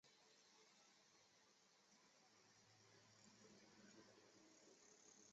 亚米公是日语中用来对美国人的蔑称。